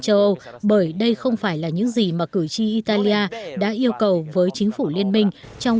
châu âu bởi đây không phải là những gì mà cử tri italia đã yêu cầu với chính phủ liên minh trong